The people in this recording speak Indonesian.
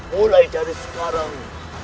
mulai dari sekarang